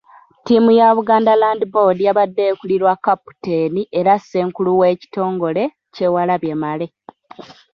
Ttiimu ya Buganda Land Board yabadde ekulirwa kkaputeeni era Ssenkulu w’ekitongole, Kyewalabye Male.